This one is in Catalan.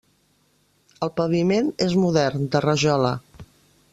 El paviment és modern, de rajola.